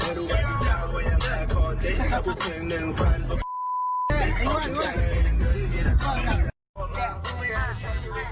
เอ่ยเอาเราดูหน่อย